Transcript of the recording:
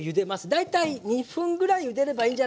大体２分ぐらいゆでればいいんじゃないかな。